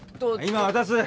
今渡す！